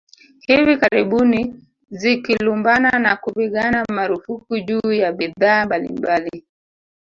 Hivi karibuni zikilumbana na kupigana marufuku juu ya bidhaa mbalimbali